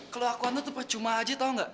keluakuan lu itu percuma aja tau gak